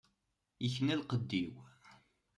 Ikna lqedd-iw.